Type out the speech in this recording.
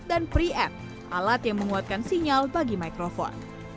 dan pre add alat yang menguatkan sinyal bagi microphone